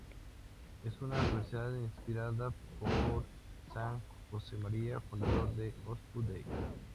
Es una universidad inspirada por San Josemaría, fundador del Opus Dei.